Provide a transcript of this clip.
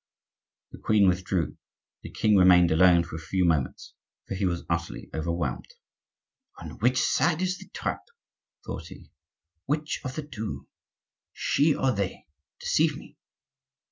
The queen withdrew; the king remained alone for a few moments, for he was utterly overwhelmed. "On which side is the trap?" thought he. "Which of the two—she or they—deceive me?